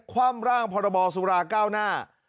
ความร่างพสก้าวหน้า